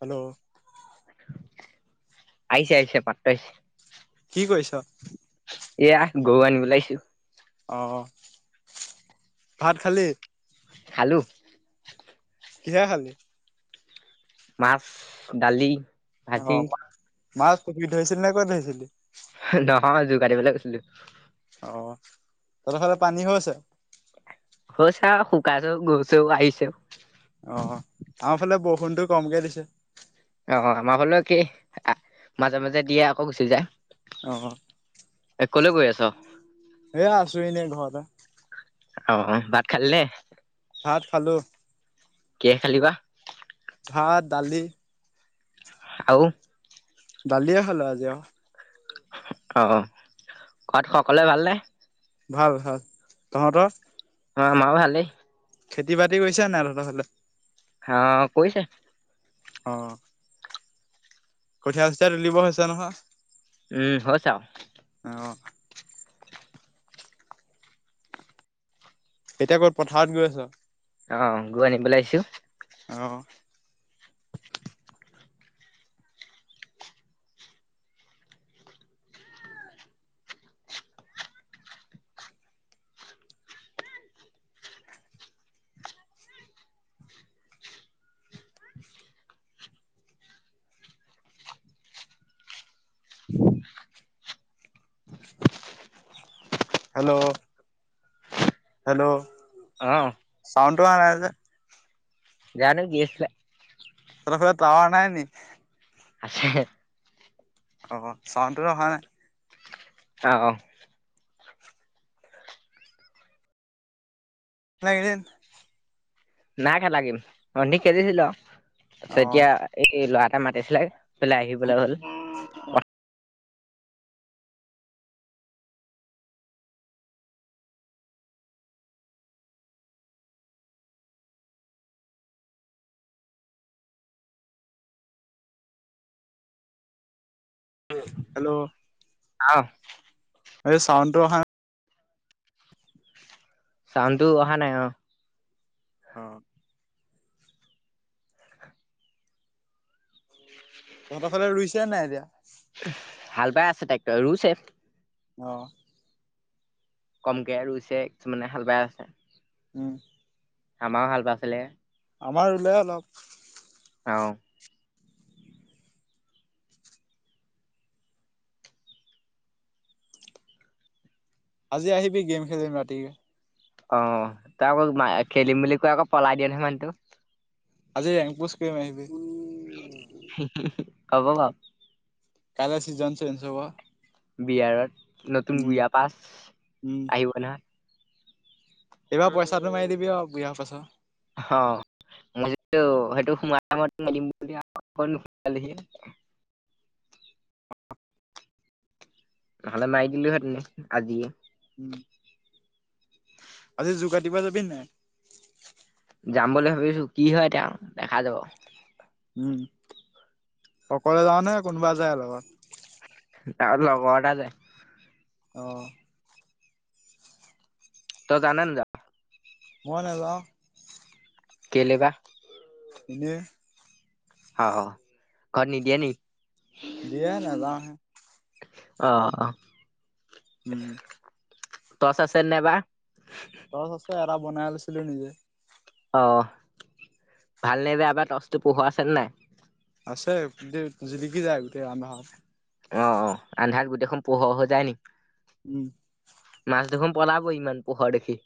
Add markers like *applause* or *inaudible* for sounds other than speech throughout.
Hello আহইছে আহইহে মাটো আহিছে। কি কৰিছ? এয়া গৰু আনিবল ওলাইছো। অ', ভাত খালি? খলো। কিহেৰে খালি? মাছ, দালি। অ ভাজি মা তবি ধৈছিলি নাই কৰি ধৈছিলি *unintelligible* নহয় যোৰ কাটিবলৈ গৈছিলোঁ অ', তহত ফালে পানী হৈ আছে? হৈছে আৰু শুকাইছেও গৈছেও আহিছেও। অ', আমাৰ ফালে বৰষুণটো কমকে দিছে। অ', আমাৰ হলেও কি, মাজে মাজে দিয়ে আকৌ গুচি যায়। অ এ কলৈ গৈ আছ? এয়া আছো এনে ঘৰতে। অ', অ', ভাত খালিনে? ভাত খালো। কিহে খালি বা? ভাত দালি আৰু দালিয়ে খালো আজি অ' অ', ঘৰত সকলোৱে ভাল নে। ভাল ভাল তহঁতৰ? আমাৰো ভালেই। খেতি বাতি কৰিছো নে তহঁতৰ ফালে? অ', কৰিছে। অ' কঠিয়ী সঠিয়া তুলিব হৈছে নহয় উম হৈছে আৰু অ' এতিয়া ক'ত পথাৰত গৈ আছোঁ? অ', গৰু আনিবলৈ আহিছোঁ অ' হেল্ল' হেল্ল' অ' চাউণ্ডটু আহা নাই যে জানো কি হৈছে? তহঁতৰ ফালে টোৱেৰ নাই নিকি? আছে। অ', চাউণ্ডতটো অহা নাই? অ', অ' *unintelligible* নাই খেলা গেম, অথনি খেলিছিলোঁ আৰু অ তাৰপিছত এ এতিয়া লৰা এটাই মাতিছিলে পালে আহি পালে হ'ল। *inaudible* হেল্ল'। অ'। এই চাউণ্ডটো অহা নাই। চাউণ্ডটো অহা নাই অ'। অ'। তহঁতৰফালে ৰুইছে নে নাই এতিয়া? হাল বাই আছে টেক্টৰে, ৰুইচে। অ'। কমকে ৰুইছে, কিছুমানে হাল বাই আছে। উম। আমাৰো হাল বাইছিলে। আমাৰ ৰুলে অলপ। অ'। আজি আহিবি গেম খেলিম ৰাতিকে। অ' তই আকৌ খেলিম বুলি কৈ আকৌ পলাই দিয়ে নহয় মানুহোটো। আজি ৰেংক পুচ কৰিম আহিবি। হ'ব বাৰু। কাইলৈ চিজন চেঞ্জ হ'ব। বিয়াৰত, নতুন উম বিয়া পাছ, উম আহিব নহয়। এইবাৰ পইচাটো মাৰি দিবি আৰু বুয়া পাছৰ। অ' মই হেইটো সোমায় *unintelligible* নহ'লে মাৰি দিলোহেতেনে আজিয়ে। উম। আজি যোগাৰ দিবা যাবি নে নাই? যাম বুলি ভাবিছোঁ, কি হয় এতিয়া দেখা যাব। উম, অকলে যাওঁ নে কোনোবা যায় লগত? আৰু লগৰ এটা যায়। অ'। তই যাওঁ নে নেযাওঁ? মই নেযাওঁ। কেইলে বা? এনে। অ', অ' ঘৰত নিদিয়ে নি? দিয়ে নেযাওঁ। অ'। উম। টৰ্চ আছে নাই বা? টচ আছে, এটা বনাই লৈছিলোঁ নিজে। অ' ভাল নে বেয়া বা টৰ্চটো পোহৰ আছে নে নাই? আছে দে জিলিকি যায় গোটেই আন্ধাৰত। অ', অ' আন্ধাৰত গোটেইখন পোহৰ হৈ যায় নি? উম। মাছ দেখোন পলাব ইমান পোহৰ দেখি।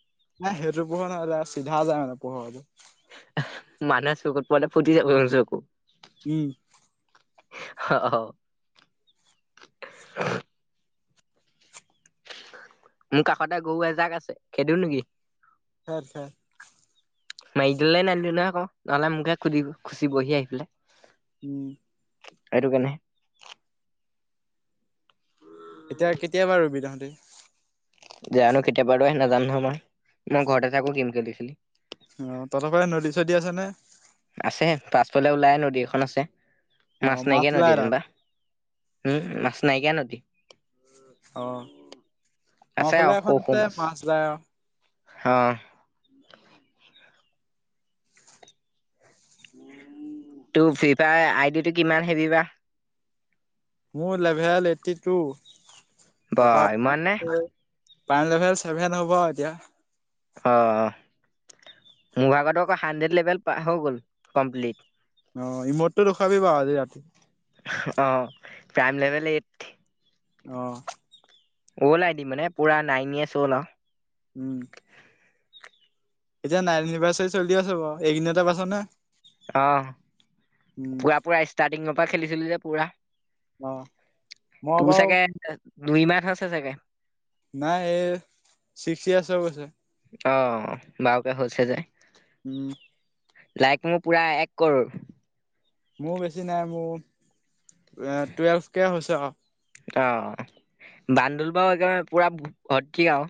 নাই সেইটো পোহৰ নহয়, চিধা যায় মানে পোহৰটো। মানুহৰ চকুত পৰিলে ফুটি যাব দেখোন চকু। উম অ', অ'। মোৰ কাষতে গৰু এজাক আছে খেদি দিওঁ নেকি? খেদ খেদ। মাৰি দিলে নানিলো নহয় আকৌ, নহ'লে মোকে খুধ খুচিবহি আহি পিনে। উম। সেইটো কাৰণে। এতিয়া কেতিয়াবা ৰুবি তহতে? জানো কেতিয়াৰ পৰা ৰুৱে নাজানো নহয় মই, মই ঘৰতে থাকো। অ' তহঁতৰ ফালে নদী চদি আছে নে? আছে পাছফালে ওলাই নদী এখন আছে, অ মাছ নাইকিয়া নদী ওলাই তাত যেনিবা। উম মাছ নাইকিয়া নদী। অ' আছে আমাৰ আৰু ফালে সৰু এখন সৰু আছে মাছ যায় আৰু। অ' তোৰ ফ্ৰী ফায়াৰ আইডিটো কিমান হে'ভি বা? মোৰ লেভেল এইটি টু। বা তাৰপৰা ইমান নে? পান লেভেল ছেভেন হ'ব এতিয়া। অ' মোৰ লগৰতো আকৌ হান্দ্ৰেড লেভেল হৈ গ'ল কমপ্লিট। অ' ৰীমোতটো দেখুৱাবি বাৰু আজি ৰাতি। অঁ প্ৰাইম লেভেল এইট। অ'। অ'লড আইডি মানে পুৰা নাইন ইয়াৰ্চ অ'লড আৰু। উম। এতিয়া নাইন এনিভাৰ্চাৰী চলি আছে বাৰু এইকিদিনতে পাইছ নে? অ' উম পুৰা পুৰা ষ্টাৰ্টিঙৰ পৰা খেলিছিলো যে পুৰা। অ মই তোৰ বাৰু চাগে দুই মা'হ হৈছে চাগে? নাই এই চিক্স ইয়ৰ্চ হৈ গৈছে। অ' বাৰুকে হৈছে যে, উম লাইক মোৰ পুৰা এক ক'ৰোৰ মোৰ বেছি নাই মোৰ, এ টুৱেলভ কে হৈছে আৰু। অ' বান্দোল বাৰু একেবাৰে পুৰা ভৰ্ত্তি আৰু।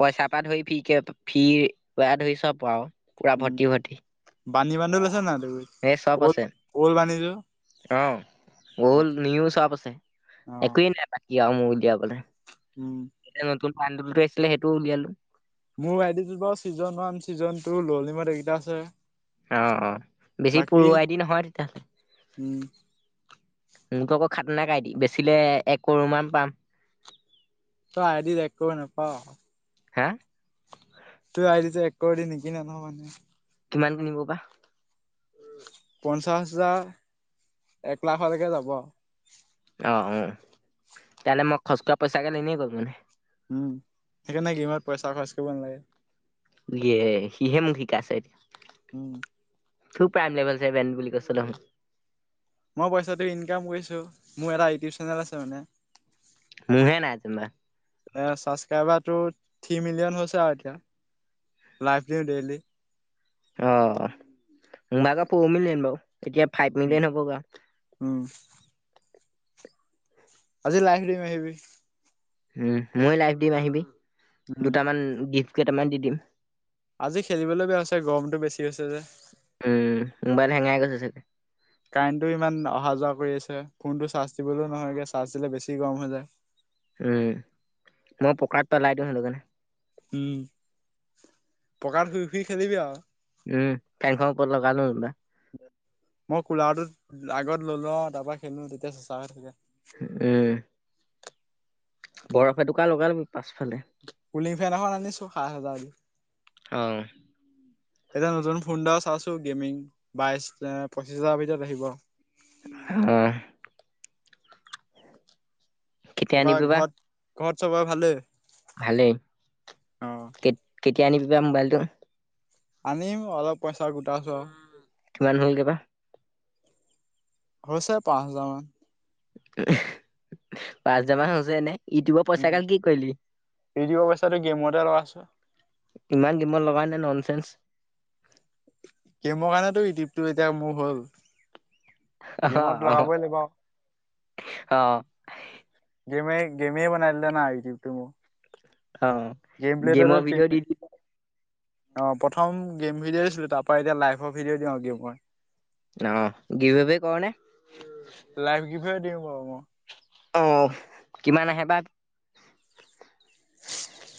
পইচাৰ পৰা ধৰি ফ্ৰী কে, ফ্ৰী ধৰি চব আৰু। পুৰা উম ভৰ্তি ভৰ্তি। বানী বান্ধোল লৈছে নাই তই? এই চব আছে। ঔলদ বান্দোলটো। অ' ঔলদ নিও চব আছে অ'। একোৱেই নাই বাকী আৰু মোৰ উলিয়াবলে। উম, নতুন বাণ্ডল'টো আছিলে সেইটোও উলিয়ালো। মোৰ আইদিটোত বাৰু ছিজন ৱান ছিজন টু ল'লইমত এইকেইটা আছে। অ' অ' বেছি বাকী প্ৰ'ৰৱাইদি নহয় উম, তেতিয়াহ'লে। মোৰটো আকৌ খাতৰনাক আইদি বেচিলে, এক ক'ৰোৰ মান পাম। তই আইড এক ক'ৰোৰ নেপাৱ। হা। তোৰ আইদিটো এক ক'ৰৰ দি নিকিনে নহয় মানুহে। কিমান কে কিনিব বা? পঞ্চাশ হাজাৰ এক লাখলৈকে যাব। অ' অ' তেতিয়াহ'লে মই খৰচ কৰা পইচাগাল এনেয়ে গ'ল মানে? উম, সেইকাৰণে গেমত পইচা খৰচ কৰিব নালাগে। ইয়ে, সিহে মোক শিকাইছে এতিয়া। উম, তোৰ প্ৰাইম লেভেল ছেভেন বুলি কৈছিলি দেখোন? মই পইচাটো ইনকাম কৰিছো, মোৰ এটা ইউটিউব চেনেল আছে মানে। মোহে নাই যেনিবা এ ছাবস্ক্ৰাইবাৰটো থ্ৰী মিলিয়ন হৈছে আৰু এতিয়া। লাইভ দিওঁ ডেইলি। আহ। মোৰ ভাগৰ ফ'ৰ মিলিয়ন বাৰু এতিয়া ফাইভ মিলিয়ন হ'ব গৈ উম। আজি লাইভ দিম আহিবি। উম ময়ো লাইভ দিম আহিবি। দুটামান উম। গিফ্ট কেইটামান দি দিম। আজি খেলিবলৈ বেয়া হৈছে গৰমতটো বেছি হৈছে যে। উম মোবাইল হেঙাই গৈছে চাগে? কাৰেণ্টটো ইমান অহা যোৱা কৰি আছে ফোনটো চাৰ্জ দিবলৈও নহয়গে চাৰ্জ দিলে বেছি গৰম হৈ যায়। উম, মই পকাত পেলাই দিওঁ সেইটোকাৰণে। উম। পকাত শুই শুই খেলিবি আৰু উম, ফেনখন ওপৰত লগাই লওঁ যিনিবা। মই কোলাৰটোত আগত লই লওঁ তাৰ পৰা খেলো তেতিয়া চেচাকে থাকে। উম। বৰফ এটুকা লগাই ল'বি পাছফালে। কুলিং ফেন এখন আনিছো সাত হাজাৰ অ'। এতিয়া নতুন ফোন এটা চাইছো গেমিং বাইশ পঁচিশ হাজাৰ ভিতৰত আহিব। অ'। কেতিয়া তাৰপা আনিবি বা ঘৰত ঘৰত চবৰে ভালেই ভালেই। অ কেতিয়া আনিবিবা মোবাইলটো? আনিম অলপ পইচা গোটাইচো আও। কিমান হ'লগৈ বা? হৈছে পাঁচ হাজাৰ মান। পাঁচ হোজাৰ মান হৈছে এনে ইউটিউবৰ পইচাগাল কি কৰিলি? ৰেডি' পইচছাটো গেমতে লগাইছো। ইমান গেমত লগাই নে ননচেন্স। গেমৰ কাৰণে মোৰ এতিয়া ইউটিউবটো এতিয়া মোৰ হ'ল। অ', নিমত অ', লগাবই লাগিব। অ', গেমে, গেমে বনাইলে না ইউটবটো মোৰ অ'। গেম প্লে গেমৰ তি ভিডিঅ' দি দি অ, প্ৰমেম ভডিঅ' হৈ আছিলো তাৰ পৰা এতিয়া লাইভৰ ভিডিঅ' দি আৰু গেমৰ অহ, গিবব কনে লাইফ গিফ্টে দিওঁ বাৰু মই। অ, কিমান আহে বা।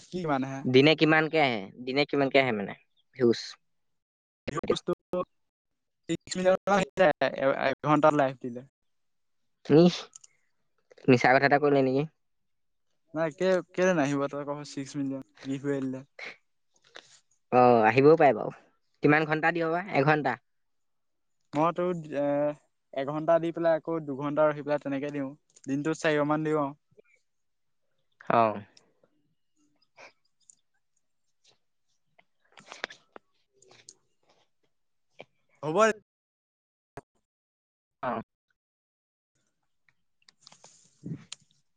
কি মানেহে দিনে কিমানকে আহে, দিনে কিমানকে আহে মানে ভউজ? বসু ম এঘণ্টাত লাইফ দিলে তুমি মিছা কথা এটা কলে নেকি? নাই কে কেনে নাহিব তই ক চিক্স মিলিয়ন গিফৱেদিলে। অ, আহিবও পাৰে বাৰু কিমান ঘন্টা দ বা এঘন্টা মইতো এ এঘণ্টা দি পেলাই আকৌ দুঘণ্টা ৰখি পেলাই তেনেকে দিওঁ দিনটোত চাৰিশ মান দিওঁ আৰু। অ'। *inaudible* হ'ব অ'। *inaudible* *inaudible*